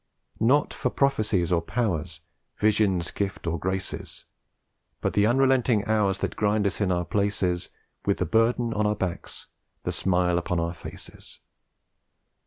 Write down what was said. Not for Prophecies or Powers, Visions, Gifts or Graces, But the unrelenting hours that grind us in our places, With the burden on our backs, the smile upon our faces.